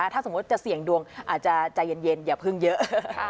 ถ้าสมมุติจะเสี่ยงดวงอาจจะใจเย็นอย่าพึ่งเยอะ